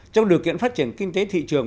trong điều kiện phát triển kinh tế thị trường